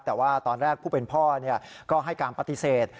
แต่ว่าตอนแรกผู้เป็นพ่อก็ให้การปฏิเสธ